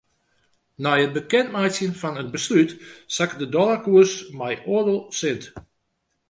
Nei it bekendmeitsjen fan it beslút sakke de dollarkoers mei oardel sint.